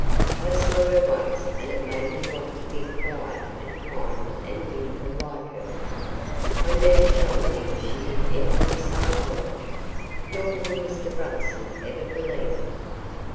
I saw her once and it made me want to be quiet and kind and beautiful like her. I never shall think she did anything so horrible. Nor will Mr. Brotherson ever believe it.